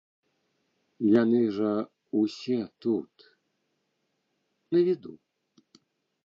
Яны жа ўсе тут, на віду.